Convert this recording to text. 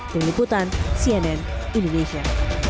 deni putan cnn indonesia